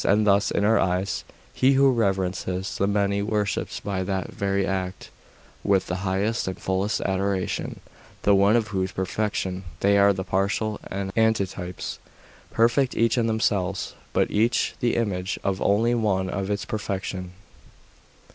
And thus, in our eyes, he who reverences the many, worships by that very act, with the highest and fullest adoration, the one of whose perfection they are the partial antitypes; perfect each in themselves, but each the image of only one of its perfections.